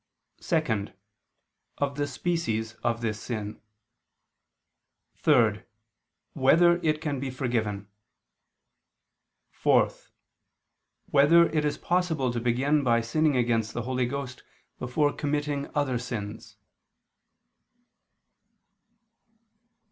(2) Of the species of this sin; (3) Whether it can be forgiven? (4) Whether it is possible to begin by sinning against the Holy Ghost before committing other sins?